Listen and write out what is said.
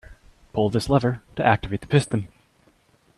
Pull this lever to activate the piston.